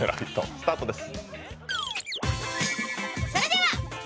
スタートです。